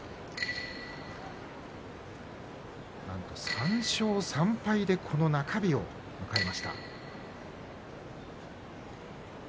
なんと３勝３敗でこの七日目を迎えました。